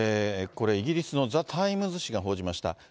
これ、イギリスのザ・タイムズ紙が報じました。